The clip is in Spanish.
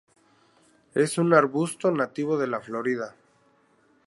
Es un arbusto nativo de la Florida.